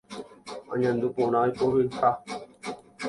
Añandu porã ipohyiha.